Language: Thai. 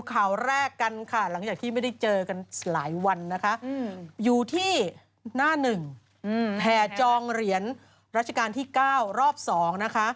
ข่าวแรกกันค่ะหลังจากที่ไม่ได้เจอกันหลายวันนะคะอยู่ที่หน้าหนึ่งแผ่จองเหรียญรัชกาลที่๙รอบ๒นะคะ